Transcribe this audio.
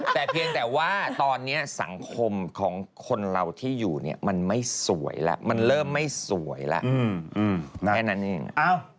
แต่เพียงแต่ว่าตอนนี้สังคมของคนเราที่อยู่เนี่ยมันไม่สวยแล้วมันเริ่มไม่สวยแล้วแค่นั้นเอง